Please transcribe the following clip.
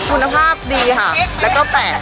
คุณภาพดีค่ะแล้วก็แปลก